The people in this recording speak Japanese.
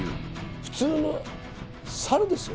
普通の猿ですよ。